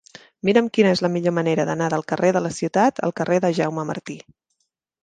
Mira'm quina és la millor manera d'anar del carrer de la Ciutat al carrer de Jaume Martí.